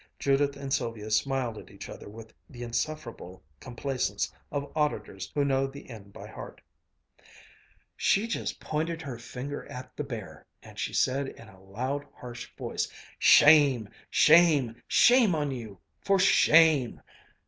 Judith and Sylvia smiled at each other with the insufferable complacence of auditors who know the end by heart. "She just pointed her finger at the bear, and she said in a loud, harsh voice: 'Shame! Shame! Shame on you! For sha a ame!'